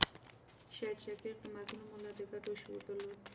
شهید شفیق د مظلوم ملت د ګټو شعور درلود.